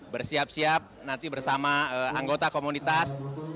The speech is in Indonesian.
bersiap siap nanti bersama anggota komunitas